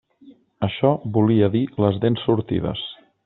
Això volia dir les dents sortides.